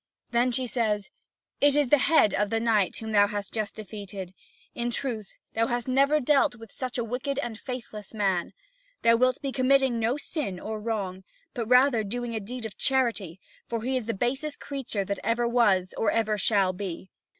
Then she says: "It is the head of the knight whom thou hast just defeated; in truth, thou hast never dealt with such a wicked and faithless man. Thou wilt be committing no sin or wrong, but rather doing a deed of charity, for he is the basest creature that ever was or ever shall be."